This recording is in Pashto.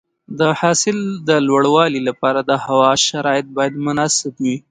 د حاصل د لوړوالي لپاره د هوا شرایط باید مناسب وي.